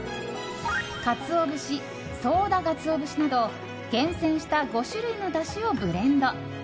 カツオ節、ソウダガツオ節など厳選した５種類のだしをブレンド。